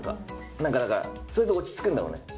なんかだから、それで落ち着くんだろうね。